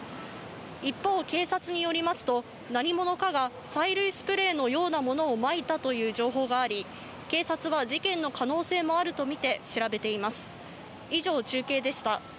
一方、警察によりますと、何者かが催涙スプレーのようなものをまいたという情報があり、警察は事件の可能性もあると見て、調べています。